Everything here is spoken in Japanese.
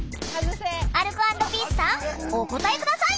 アルコ＆ピースさんお答え下さい！